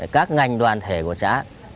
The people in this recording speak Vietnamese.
các ngành đoàn thể của xã